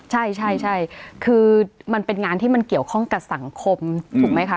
ใช่คือมันเป็นงานที่มันเกี่ยวข้องกับสังคมถูกไหมคะ